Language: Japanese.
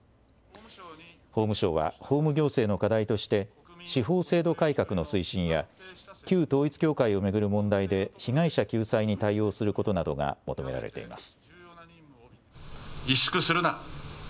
法務省は法務行政の課題課題として司法制度改革の推進や旧統一教会を巡る問題で被害者救済に対応することなどが求められています。